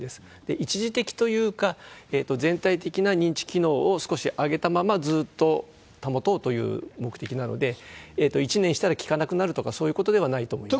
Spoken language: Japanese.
一時的というか、全体的な認知機能を少し上げたままずーっと保とうという目的なので、１年したら効かなくなるとか、そういうことではないと思います。